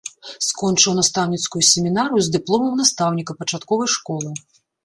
Скончыў настаўніцкую семінарыю з дыпломам настаўніка пачатковай школы.